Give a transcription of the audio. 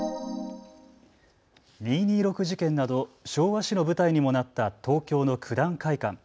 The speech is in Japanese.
二・二六事件など昭和史の舞台にもなった東京の九段会館。